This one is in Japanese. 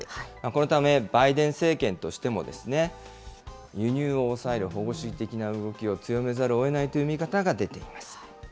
このためバイデン政権としても、輸入を抑える保護主義的な動きを強めざるをえないという見方が出ています。